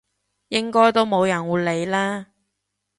應該都冇人會理啦！